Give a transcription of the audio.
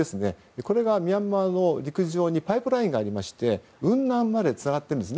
これがミャンマーの陸上にパイプラインがありまして雲南までつながっているんですね。